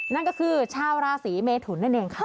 นั่นก็คือชาวราศีเมทุนนั่นเองค่ะ